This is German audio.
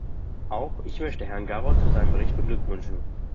Auch ich möchte Herrn Garot zu seinem Bericht beglückwünschen.